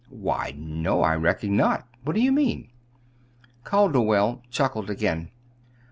"Why, no, I reckon not. What do you mean?" Calderwell chuckled again.